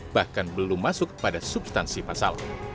bahkan belum masuk pada substansi pasal